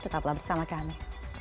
tetaplah bersama kami